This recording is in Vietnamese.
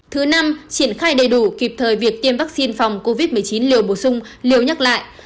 thứ năm triển khai đầy đủ kịp thời việc tiêm vaccine phòng covid một mươi chín liều bổ sung liều nhắc lại